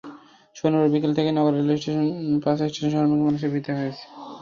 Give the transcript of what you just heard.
শনিবার বিকেল থেকেই নগরের রেলস্টেশন, বাসস্টেশনে শহরমুখী মানুষের ভিড় দেখা গেছে।